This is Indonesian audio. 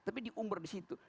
tapi diumber di situ